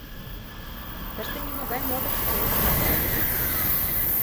— Тыште нимогай модыш уке, — ыштале Ненси.